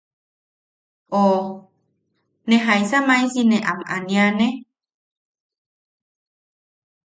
O “¿ne... jaisa maisi ne am aniane?”